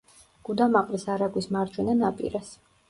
გუდამაყრის არაგვის მარჯვენა ნაპირას.